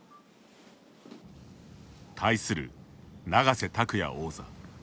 対する永瀬拓矢王座。